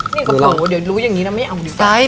มันก็บอกว่าเดี๋ยวรู้ยังงี้เราไม่เอาเลย